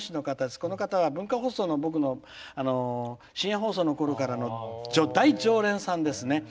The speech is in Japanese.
この方は、文化放送の僕の深夜放送のころからの大常連さんですね。